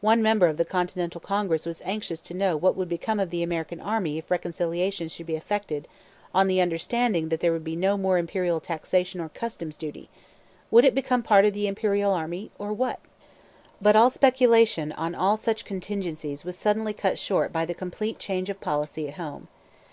One member of the Continental Congress was anxious to know what would become of the American army if reconciliation should be effected on the understanding that there would be no more imperial taxation or customs duty would it become part of the Imperial Army, or what? But speculation on all such contingencies was suddenly cut short by the complete change of policy at home.